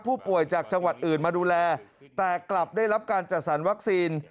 ผู้ป่วยจากจังหวัดอื่นมาดูแลแต่กลับได้รับการจัดสรรวัคซีน